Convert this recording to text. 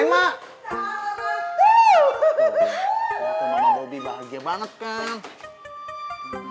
liat tuh mama bobi bahagia banget kan